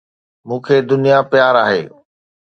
مون کي دنيا پيار آهي